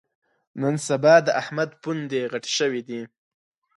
نن سبا د احمد پوندې غټې شوې دي.